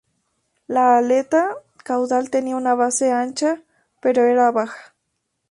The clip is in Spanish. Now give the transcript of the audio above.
La aleta caudal tenía una base ancha pero era baja.